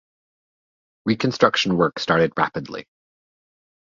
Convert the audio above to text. Reconstruction work started rapidly.